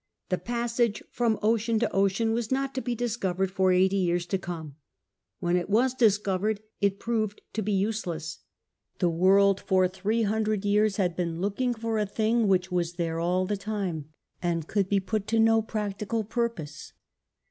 The passage from ocean to ocean was not to be discovered for eighty years to come. When it was dis covered it proved to be useless. The world for three hundred years had been looking for a thing which was 174 CAPTAIN COON OHAP. ZII there all the time and could be put to no practical pur pose.